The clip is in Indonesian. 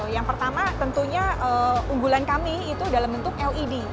yang pertama tentunya unggulan kami itu dalam bentuk led